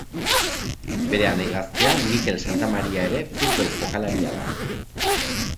Bere anai gaztea Mikel Santamaria ere futbol jokalaria da.